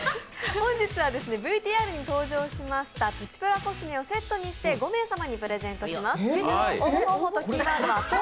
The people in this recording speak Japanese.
本日はＶＴＲで登場しましたプチプラコスメをセットにして５名様にプレゼントします。